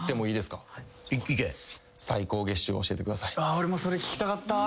俺もそれ聞きたかった。